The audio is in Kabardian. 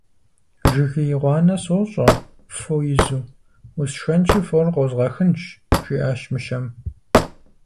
Жыгей гъуанэ сощӀэ, фо изу, усшэнщи, фор къозгъэхынщ, - жиӀащ мыщэм.